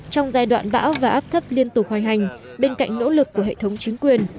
trong giai đoạn bão và áp thấp liên tục hoành hành bên cạnh nỗ lực của hệ thống chính quyền